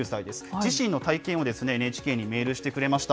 自身の体験をＮＨＫにメールしてくれました。